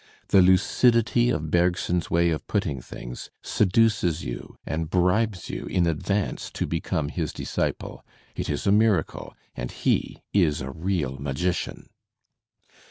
The luc idity of Bergson's way of putting things .•• seduces you and bribes you in advance to become his disciple. It is a miracle, and he is a real magician."